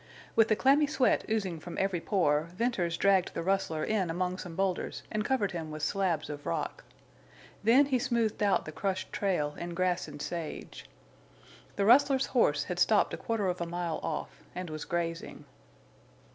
With the clammy sweat oozing from every pore Venters dragged the rustler in among some boulders and covered him with slabs of rock. Then he smoothed out the crushed trail in grass and sage. The rustler's horse had stopped a quarter of a mile off and was grazing.